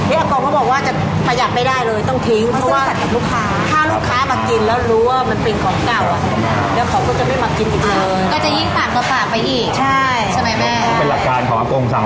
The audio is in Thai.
อากงเขาบอกว่าจะประหยัดไม่ได้เลยต้องทิ้ง